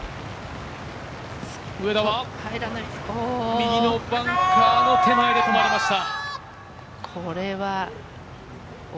上田は右のバンカーの手前で止まりました。